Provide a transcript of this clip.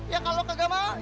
ya kalau kagak mau